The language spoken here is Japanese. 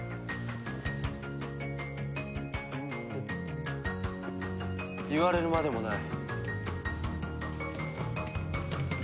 フッ言われるまでもない。